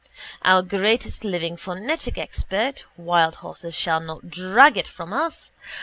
Our greatest living phonetic expert (wild horses shall not drag it from us!)